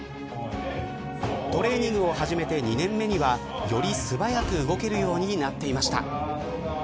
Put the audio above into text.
トレーニングを始めて２年目にはより素早く動けるようになっていました。